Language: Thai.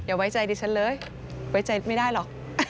ไว้ใจดิฉันเลยไว้ใจไม่ได้หรอก